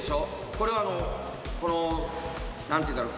これはあのこの何て言うんだろう